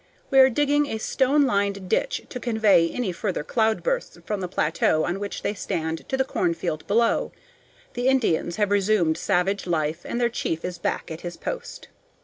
We are digging a stone lined ditch to convey any further cloudbursts from the plateau on which they stand to the cornfield below. The Indians have resumed savage life, and their chief is back at his post.